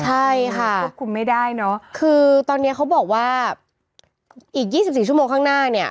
ใช่ค่ะควบคุมไม่ได้เนอะคือตอนนี้เขาบอกว่าอีก๒๔ชั่วโมงข้างหน้าเนี่ย